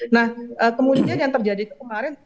nah kemudian yang terjadi itu kemarin